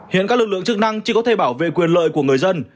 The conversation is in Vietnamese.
hiện các lực lượng chức năng chỉ có thể bảo vệ quyền lợi của người dân